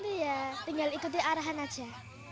terus nanti ya tinggal ikuti arahan aja